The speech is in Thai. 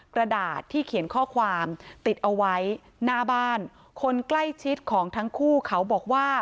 กระดาษที่เขียนข้อความติดเอาไว้หน้าบ้านคนใกล้ชิดของทั้งคู่เขาบอกว่า